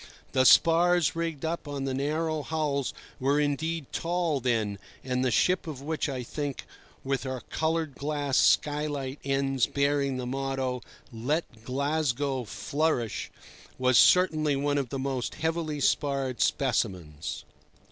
The spars rigged up on the narrow hulls were indeed tall then, and the ship of which I think, with her coloured glass skylight ends bearing the motto, "Let Glasgow Flourish," was certainly one of the most heavily sparred specimens.